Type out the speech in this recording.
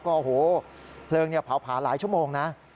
ก็โอ้โหเพลิงเนี่ยเผาผลาหลายชั่วโมงนะครับ